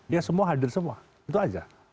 ya semua hadir semua itu saja